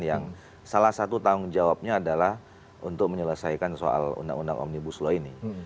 yang salah satu tanggung jawabnya adalah untuk menyelesaikan soal undang undang omnibus law ini